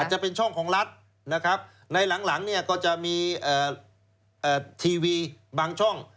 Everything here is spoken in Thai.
จะเป็นช่องของรัฐนะครับในหลังเนี่ยก็จะมีทีวีบางช่อง